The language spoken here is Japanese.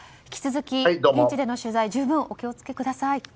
引き続き現地での取材十分お気を付けください。